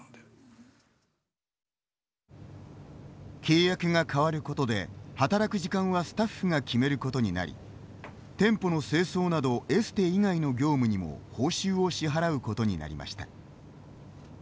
契約が変わることで働く時間はスタッフが決めることになり店舗の清掃などエステ以外の業務にも報酬を支払うことになりました。